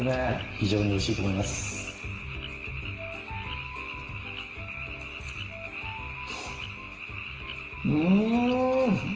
非常においしいと思いますうん！